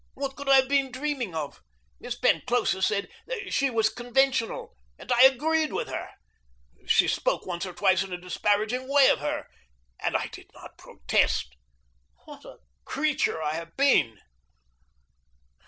What could I have been dreaming of? Miss Penclosa said that she was conventional, and I agreed with her. She spoke once or twice in a disparaging way of her, and I did not protest. What a creature I have been!